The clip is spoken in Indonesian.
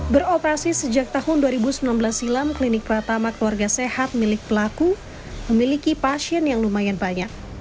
beroperasi sejak tahun dua ribu sembilan belas silam klinik pertama keluarga sehat milik pelaku memiliki pasien yang lumayan banyak